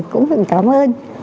cũng phải cảm ơn